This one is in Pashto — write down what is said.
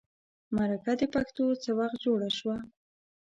مرکه د پښتو څه وخت جوړه شوه.